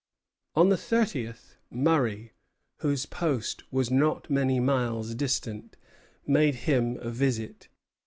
On the thirtieth, Murray, whose post was not many miles distant, made him a visit.